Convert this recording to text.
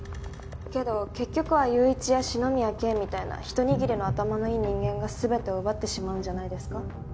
けど結局は友一や紫宮京みたいなひと握りの頭のいい人間が全てを奪ってしまうんじゃないですか？